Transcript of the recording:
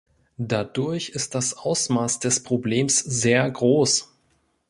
Dadurch ist das Ausmaß des Problems sehr groß.